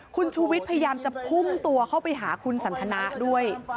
คุณชูวิทย์พยายามจะพุ่งตัวเข้าไปหาคุณสันทนะด้วย